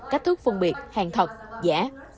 cách thức phân biệt hàng thật giả